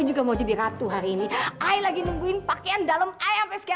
jangan jangan bu yang yang pake bhi kan